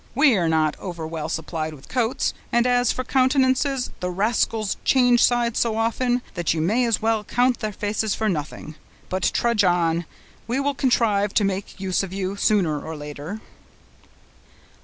We are not over well supplied with coats, and as for countenances, the rascals change sides so often, that you may as well count their faces for nothing; but trudge on, we will contrive to make use of you, sooner or later."